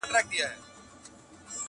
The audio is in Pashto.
ما ویلي وه چي ته نه سړی کيږې,